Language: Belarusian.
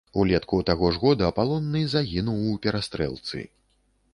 Улетку таго ж года палонны загінуў у перастрэлцы.